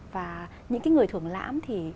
và những cái người thưởng lãm thì